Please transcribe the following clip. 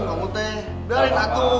udah neng raya